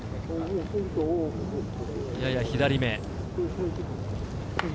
やや左め。